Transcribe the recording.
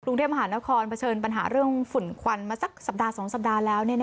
กรุงเทพมหานครเผชิญปัญหาเรื่องฝุ่นควันมาสักสัปดาห์๒สัปดาห์แล้ว